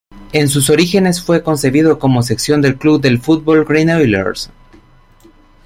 En sus orígenes fue concebido como sección del Club de Fútbol Granollers.